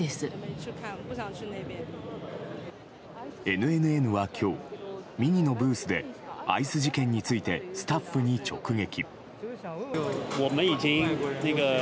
ＮＮＮは今日、ＭＩＮＩのブースでアイス事件についてスタッフに直撃。